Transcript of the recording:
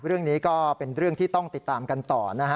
เรื่องนี้ก็เป็นเรื่องที่ต้องติดตามกันต่อนะฮะ